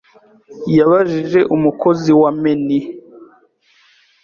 yabajije umukozi wa menu.